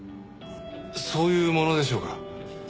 そういうものでしょうか？